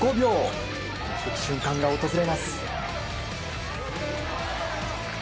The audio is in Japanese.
劇的瞬間が訪れます。